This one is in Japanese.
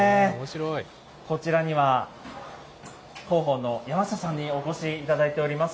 こちらには広報の山下さんにお越しいただいております。